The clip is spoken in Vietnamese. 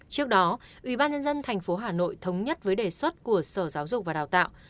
trước đó ubnd tp hà nội thống nhất với đề xuất của sở giáo dục và đào tạo